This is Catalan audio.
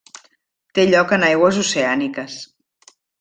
Té lloc en aigües oceàniques.